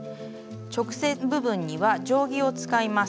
直線部分には定規を使います。